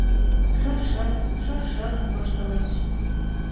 Шыр-шыр, шыр-шыр воштылеш.